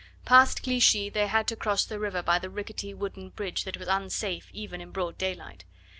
Past Clichy, they had to cross the river by the rickety wooden bridge that was unsafe even in broad daylight.